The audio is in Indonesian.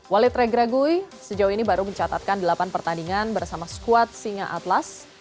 walid regragui sejauh ini baru mencatatkan delapan pertandingan bersama skuad singa atlas